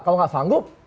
kalau gak sanggup